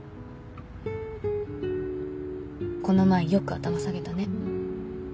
この前よく頭下げたね。